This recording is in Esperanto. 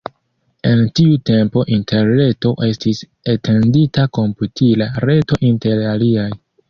En tiu tempo Interreto estis etendita komputila reto inter aliaj.